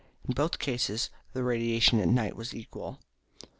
In both cases the radiation at night was equal.